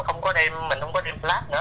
lúc đó mình không có đem flash nữa